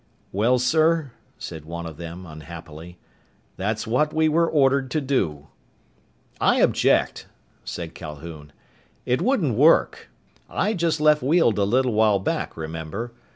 "Well, sir," said one of them, unhappily, "that's what we were ordered to do." "I object," said Calhoun. "It wouldn't work. I just left Weald a little while back, remember.